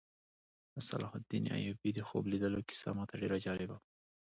د سلطان صلاح الدین ایوبي د خوب لیدلو کیسه ماته ډېره جالبه وه.